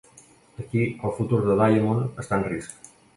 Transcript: Aquí, el futur de Diamond està en risc.